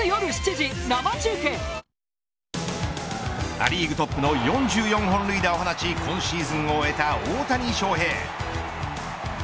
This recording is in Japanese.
ア・リーグトップの４４本塁打を放ち今シーズンを終えた大谷翔平。